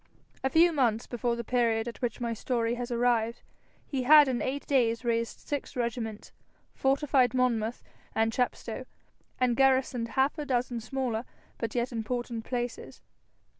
A few months before the period at which my story has arrived, he had in eight days raised six regiments, fortified Monmouth and Chepstow, and garrisoned half a dozen smaller but yet important places.